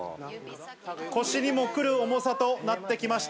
腰にも来る重さとなってきました。